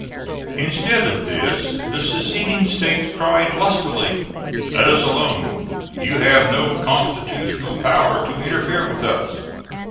Instead of this the seceding States cried lustily, "Let us alone; you have no constitutional power to interfere with us."